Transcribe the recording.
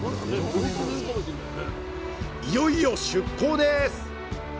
いよいよ出港です！